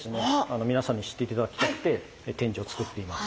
みなさんに知っていただきたくて展示を作っています。